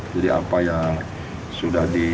jadi apa yang sudah di